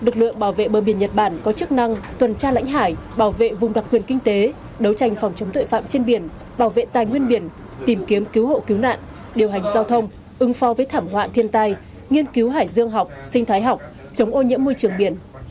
lực lượng bảo vệ bờ biển nhật bản có chức năng tuần tra lãnh hải bảo vệ vùng đặc quyền kinh tế đấu tranh phòng chống tội phạm trên biển bảo vệ tài nguyên biển tìm kiếm cứu hộ cứu nạn điều hành giao thông ứng phó với thảm họa thiên tai nghiên cứu hải dương học sinh thái học chống ô nhiễm môi trường biển